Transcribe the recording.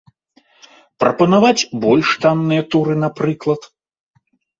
Прапанаваць больш танныя туры, напрыклад.